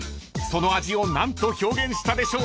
［その味を何と表現したでしょう？］